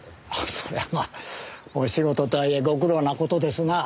そりゃまあお仕事とはいえご苦労な事ですな。